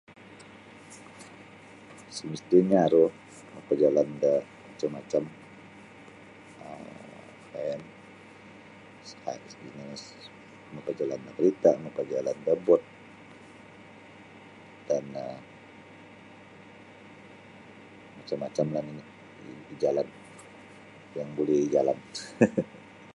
Semestinya aru mapajalan da macam-macam um sejenis mapajalan da karita mapajalan da bot dan um macam-macam lah nini ijalan yang buli ijalan.